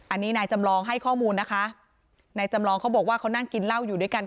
อันนี้นายจำลองให้ข้อมูลนะคะนายจำลองเขาบอกว่าเขานั่งกินเหล้าอยู่ด้วยกัน